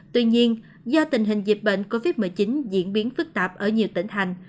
tuy nhiên do tình hình dịch bệnh covid một mươi chín diễn biến phức tạp ở nhiều tỉnh thành